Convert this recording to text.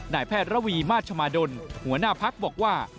นายแพทย์ระวีมาชมาดลหัวหน้าพักบอกว่า